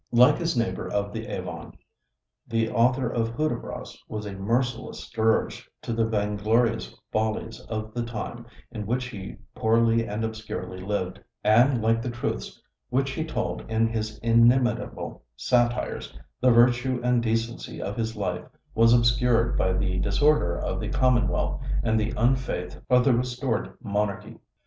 Like his neighbor of the Avon, the author of "Hudibras" was a merciless scourge to the vainglorious follies of the time in which he poorly and obscurely lived; and like the truths which he told in his inimitable satires, the virtue and decency of his life was obscured by the disorder of the Commonwealth and the unfaith of the restored monarchy.